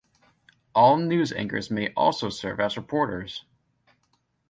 All news anchors may also serve as reporters.